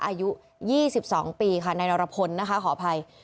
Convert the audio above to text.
อายุ๒๒ปีค่ะนายนรพลนะคะขออภัย